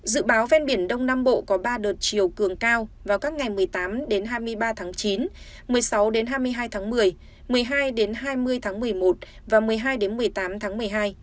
dự báo ven biển đông nam bộ có ba đợt chiều cường cao vào các ngày một mươi tám hai mươi ba tháng chín một mươi sáu hai mươi hai tháng một mươi một mươi hai hai mươi tháng một mươi một và một mươi hai một mươi tám tháng một mươi hai